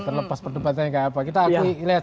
terlepas perdebatannya kayak apa kita akui lihat